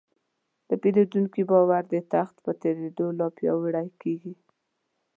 د پیرودونکي باور د وخت په تېرېدو لا پیاوړی کېږي.